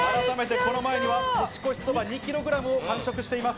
この前には年越しそば２キログラムを完食しています。